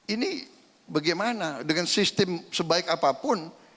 ini bagaimana dengan sistem sebaik apapun